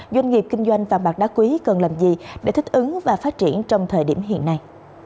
doanh nghiệp kinh doanh vàng bạc đá quý cần làm gì để thích ứng và phát triển trong thời điểm hiện nay